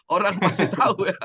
orang masih tahu ya